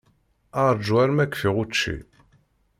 Ṛju arma kfiɣ učči.